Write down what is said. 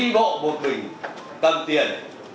đi bộ một mình cầm tiền